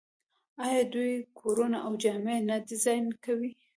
آیا دوی کورونه او جامې نه ډیزاین کوي؟